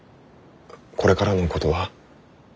これからのことは？